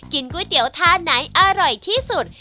ก๋วยเตี๋ยวท่าไหนอร่อยที่สุด